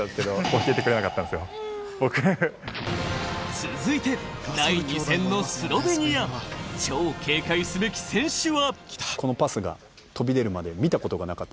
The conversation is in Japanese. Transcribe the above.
続いて、第２戦のスロベニア、超警戒すべき選手は。